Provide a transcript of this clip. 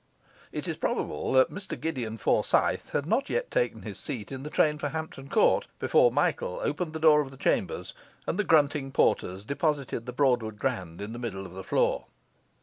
It is probable that Mr Gideon Forsyth had not yet taken his seat in the train for Hampton Court, before Michael opened the door of the chambers, and the grunting porters deposited the Broadwood grand in the middle of the floor.